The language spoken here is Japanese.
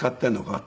って